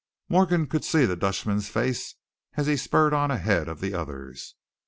Morgan could see the Dutchman's face as he spurred on ahead of the others.